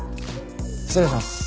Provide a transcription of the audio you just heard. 失礼します。